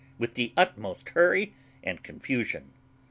with the utmost hurry and confusion.